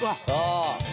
ああ。